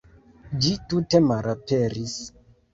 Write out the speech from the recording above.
Ĝi tute malaperis.